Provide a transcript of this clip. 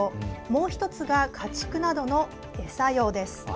もう１つが家畜などの餌用です。